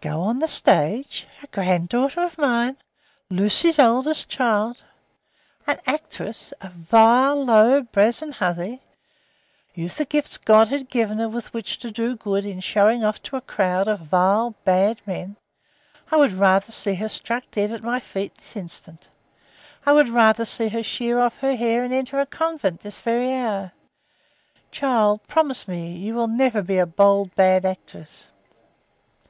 "Go on the stage! A grand daughter of mine! Lucy's eldest child! An actress a vile, low, brazen hussy! Use the gifts God has given her with which to do good in showing off to a crowd of vile bad men! I would rather see her struck dead at my feet this instant! I would rather see her shear off her hair and enter a convent this very hour. Child, promise you will never be a bold bad actress."